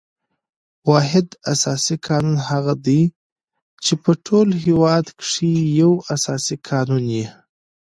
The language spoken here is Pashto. واحد اساسي قانون هغه دئ، چي په ټول هیواد کښي یو اساسي قانون يي.